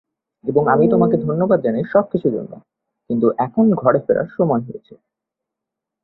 এবং আমি তোমাকে ধন্যবাদ জানাই সবকিছুর জন্য, কিন্তু এখন ঘরে ফেরার সময় হয়েছে।